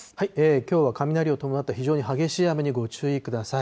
きょうは雷を伴った非常に激しい雨にご注意ください。